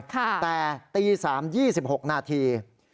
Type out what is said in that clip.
แต่ตี๓๒๖นาที